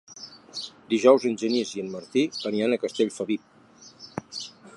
Dijous en Genís i en Martí aniran a Castellfabib.